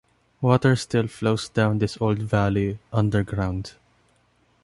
Water still flows down this old valley-underground.